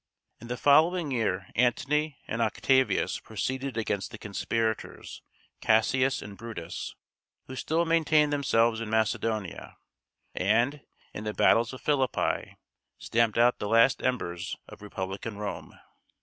In the following year Antony and Octavius proceeded against the conspirators, Cassius and Brutus, who still maintained themselves in Macedonia; and, in the battles of Philippi, stamped out the last embers of republican Rome.